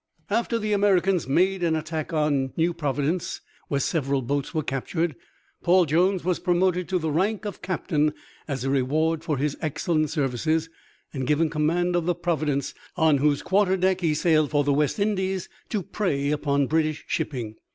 After the Americans made an attack on New Providence where several boats were captured, Paul Jones was promoted to the rank of Captain as a reward for his excellent services and given command of the Providence, on whose quarter deck he sailed for the West Indies to prey upon British shipping.